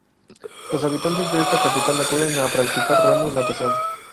Los habitantes de la capital acuden a practicar remo y natación.